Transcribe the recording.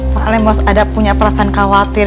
pak alimos ada punya perasaan khawatir